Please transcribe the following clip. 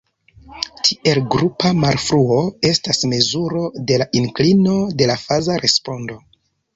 Tiel grupa malfruo estas mezuro de la inklino de la faza respondo.